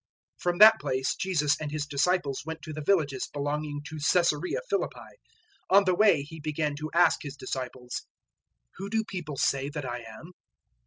008:027 From that place Jesus and His disciples went to the villages belonging to Caesarea Philippi. On the way He began to ask His disciples, "Who do people say that I am?"